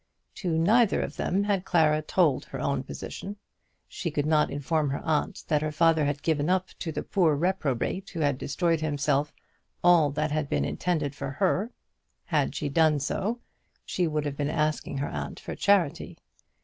To neither of them had Clara told her own position. She could not inform her aunt that her father had given up to the poor reprobate who had destroyed himself all that had been intended for her. Had she done so she would have been asking her aunt for charity.